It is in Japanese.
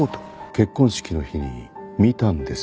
結婚式の日に見たんですよ。